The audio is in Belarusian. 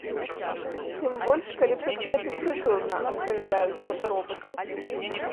Тым больш, калі прыкметы прыкладна адпавядаюць фотаробату.